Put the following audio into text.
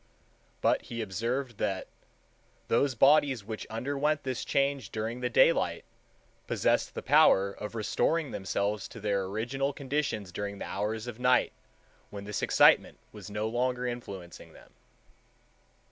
But he observed that "those bodies which underwent this change during the daylight possessed the power of restoring themselves to their original conditions during the hours of night, when this excitement was no longer influencing them."